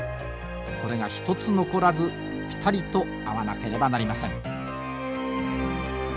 それが一つ残らずピタリと合わなければなりません。